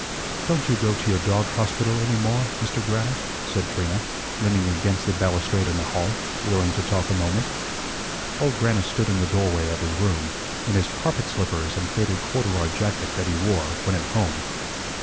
"Don't you go to your dog hospital any more, Mister Grannis?" said Trina, leaning against the balustrade in the hall, willing to talk a moment. Old Grannis stood in the doorway of his room, in his carpet slippers and faded corduroy jacket that he wore when at home.